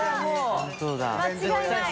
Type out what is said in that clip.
水卜）間違いない。